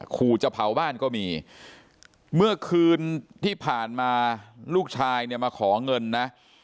ขู่จะเผาบ้านก็มีเมื่อคืนที่ผ่านมาลูกชายเนี่ยมาขอเงินนะ